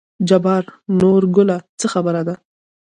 جبار: نورګله څه خبره ده.